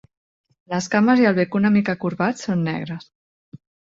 Les cames i el bec una mica corbats són negres.